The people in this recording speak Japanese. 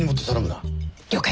了解。